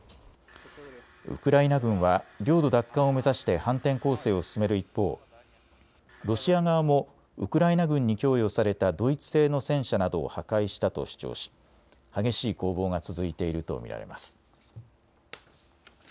ウクライナ軍は領土奪還を目指して反転攻勢を進める一方、ロシア側もウクライナ軍に供与されたドイツ製の戦車などを破壊したと主張し激しい攻防が続いていると見られます。